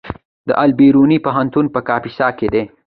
د البیروني پوهنتون په کاپیسا کې دی